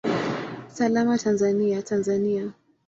Salama Tanzania, Tanzania!